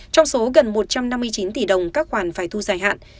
trong số gần một trăm năm mươi chín tỷ đồng các khoản phải thu dài hạn